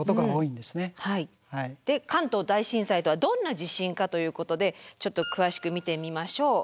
で関東大震災とはどんな地震かということでちょっと詳しく見てみましょう。